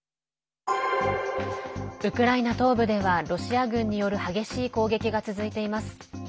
ウクライナ東部ではロシア軍による激しい攻撃が続いています。